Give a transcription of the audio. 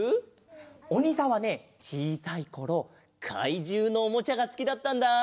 おにいさんはねちいさいころかいじゅうのおもちゃがすきだったんだ。